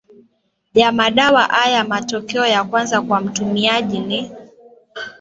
ya madawa haya matokeo ya kwanza kwa mtumiaji ni